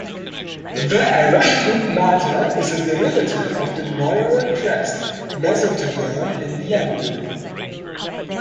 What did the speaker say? The arachnoid mater is a derivative of the Neural crest mesectoderm in the embryo.